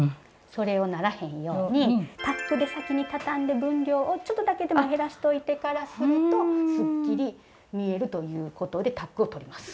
それをならへんようにタックで先にたたんで分量をちょっとだけでも減らしといてからするとすっきり見えるということでタックをとります。